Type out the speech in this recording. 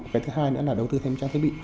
cái thứ hai nữa là đầu tư thêm trang thiết bị